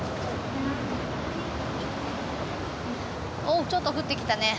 おっちょっと降ってきたね。